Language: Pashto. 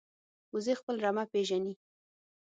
وزې خپل رمه پېژني